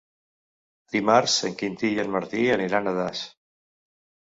Dimarts en Quintí i en Martí aniran a Das.